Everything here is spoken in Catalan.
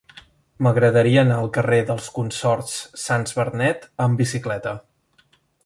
M'agradaria anar al carrer dels Consorts Sans Bernet amb bicicleta.